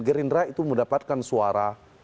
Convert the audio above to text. gerindra itu mendapatkan suara